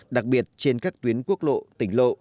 đặc biệt trên các tuyến quốc lộ tỉnh lộ